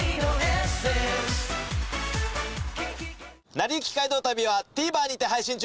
『なりゆき街道旅』はＴＶｅｒにて配信中です。